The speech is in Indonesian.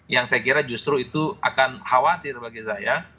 yang saya kira justru itu akan khawatir bagi saya